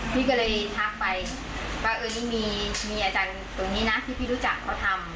พี่ก็เลยทักไปว่าเออนี่มีอาจารย์ตรงนี้นะที่พี่รู้จักเขาทำ